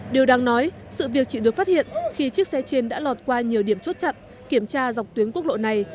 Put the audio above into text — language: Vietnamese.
điều đáng nói sự việc chỉ được phát hiện khi chiếc xe trên đã lọt qua nhiều điểm chốt chặn kiểm tra dọc tuyến quốc lộ này